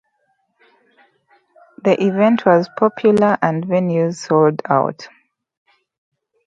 The event was popular and venues sold out.